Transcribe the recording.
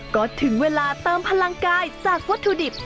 ก็ถึงเวลาเติมพลังกายจากวัตถุดิบ